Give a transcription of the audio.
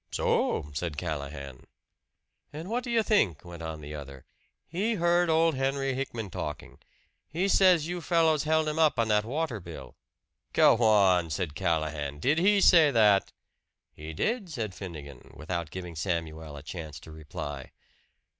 "So!" said Callahan. "And what do you think," went on the other, "He heard old Henry Hickman talking he says you fellows held him up on that water bill." "Go on!" said Callahan. "Did he say that?" "He did," said Finnegan, without giving Samuel a chance to reply.